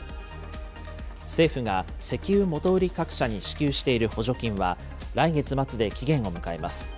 政府が、石油元売り各社に支給している補助金は、来月末で期限を迎えます。